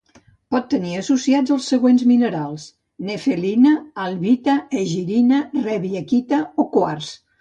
Pot tenir associats els següents minerals: nefelina, albita, egirina, riebeckita o quars.